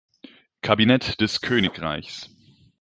Kabinett des Königreiches.